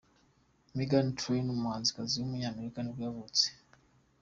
Meghan Trainor, umuhanzikazi w’umunyamerika nibwo yavutse.